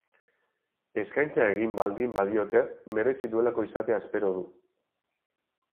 Eskaintza egiten baldin badiote merezi duelako izatea espero du.